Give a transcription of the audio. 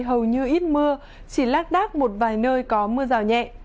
hầu như ít mưa chỉ lác đác một vài nơi có mưa rào nhẹ